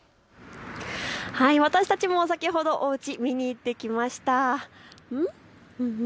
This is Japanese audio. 私たちも先ほどおうち見に行ってきました。